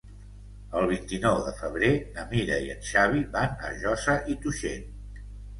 El vint-i-nou de febrer na Mira i en Xavi van a Josa i Tuixén.